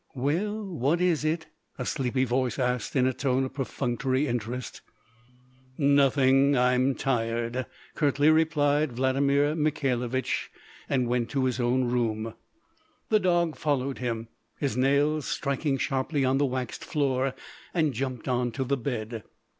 "Well, what is it?" a sleepy voice asked in a tone of perfunctory interest. "Nothing! I'm tired," curtly replied Vladimir Mikhailovich, and went to his own room. The dog followed him, his nails striking sharply on the waxed floor, and jumped on to the bed.